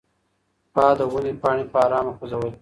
باد د ونې پاڼې په ارامه خوځولې.